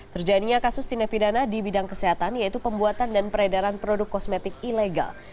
terjadinya kasus tindak pidana di bidang kesehatan yaitu pembuatan dan peredaran produk kosmetik ilegal